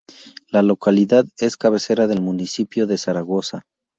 La localidad es cabecera del municipio de Zaragoza.